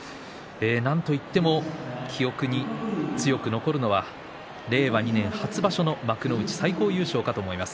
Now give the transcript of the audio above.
なんといっても記憶に強く残るのは令和２年初場所の幕内最高優勝かと思います。